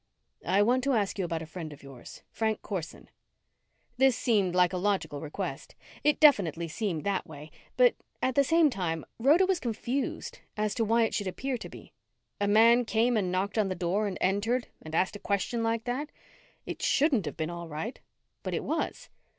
"I want to ask you about a friend of yours. Frank Corson." This seemed like a logical request. It definitely seemed that way but, at the same time, Rhoda was confused as to why it should appear to be. A man came and knocked on the door and entered and asked a question like that. It shouldn't have been all right, but it was.